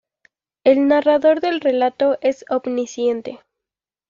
El narrador del relato es omnisciente.